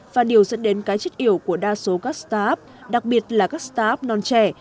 và điều dẫn đến cái chết yểu của đa số các start up đặc biệt là các start up non trẻ